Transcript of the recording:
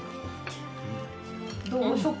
どう？